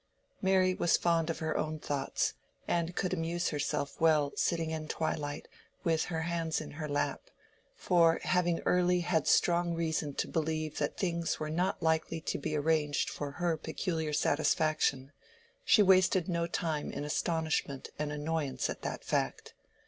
Mary was fond of her own thoughts, and could amuse herself well sitting in twilight with her hands in her lap; for, having early had strong reason to believe that things were not likely to be arranged for her peculiar satisfaction, she wasted no time in astonishment and annoyance at that fact.